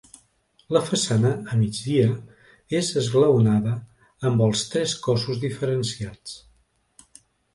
La façana a migdia és esglaonada amb els tres cossos diferenciats.